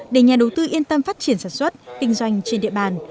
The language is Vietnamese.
để nhà đầu tư yên tâm phát triển sản xuất kinh doanh trên địa bàn